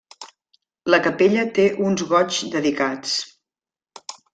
La capella té uns goigs dedicats.